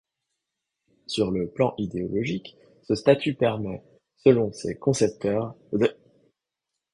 Sur le plan idéologique, ce statut permet, selon ses concepteurs, d'.